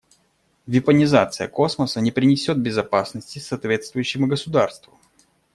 Вепонизация космоса не принесет безопасности соответствующему государству.